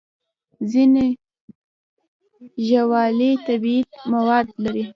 ځینې ژاولې طبیعي مواد لري.